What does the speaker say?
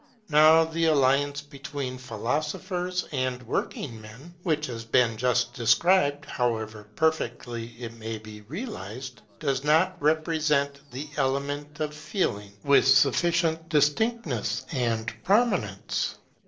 Now the alliance between philosophers and working men, which has been just described, however perfectly it may be realized, does not represent the element of Feeling with sufficient distinctness and prominence.